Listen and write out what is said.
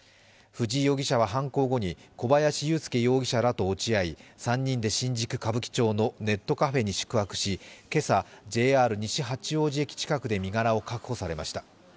藤井容疑者は犯行後に、小林優介容疑者らと落ち合い、３人で新宿歌舞伎町のネットカフェに宿泊し、今朝、ＪＲ西八王子駅近くで身柄を確保されました。